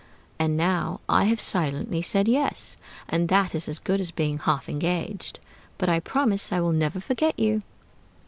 And now I have silently said 'Yes,' and that is as good as being half engaged; but I promise I will never forget you."